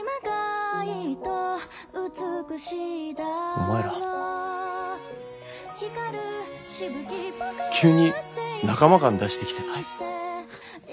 お前ら急に仲間感出してきてない？